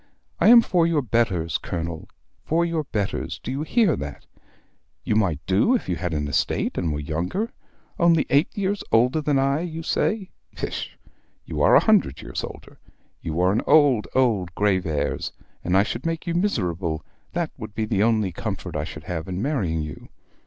I am for your betters, Colonel, for your betters: do you hear that? You might do if you had an estate and were younger; only eight years older than I, you say! pish, you are a hundred years older. You are an old, old Graveairs, and I should make you miserable, that would be the only comfort I should have in marrying you.